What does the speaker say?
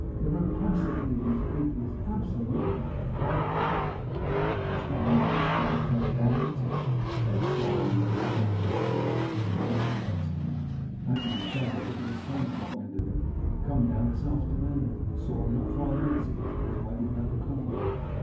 The rapacity of these people is absolutely frightful!' 'It's not only the Spottletoes either, Tigg,' said Slyme, looking at that gentleman and speaking at Mr Pecksniff. 'Anthony Chuzzlewit and his son have got wind of it, and have come down this afternoon. I saw 'em not five minutes ago, when I was waiting round the corner.